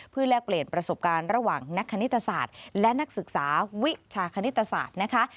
เพื่อแลกเปลี่ยนประสบการณ์ระหว่างนักคณิตศาสตร์และนักศึกษาวิชาคณิตศาสตร์นะคะ